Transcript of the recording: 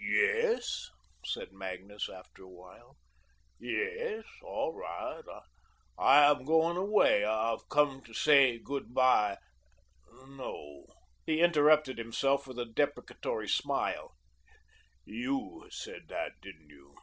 "Yes," said Magnus after a while, "yes, all right. I am going away. I've come to say good bye. No " He interrupted himself with a deprecatory smile, "YOU said THAT, didn't you?"